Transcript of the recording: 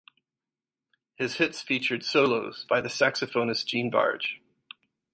His hits featured solos by the saxophonist Gene Barge.